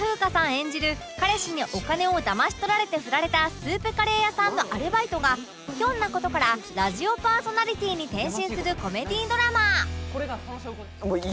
演じる彼氏にお金をだまし取られてフラれたスープカレー屋さんのアルバイトがひょんな事からラジオパーソナリティーに転身するコメディドラマ